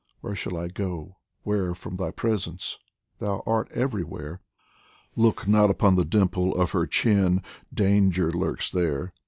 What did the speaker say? Where shall I go, where from thy presence ? thou Art everywhere. Look not upon the dimple of her chin, Danger lurks there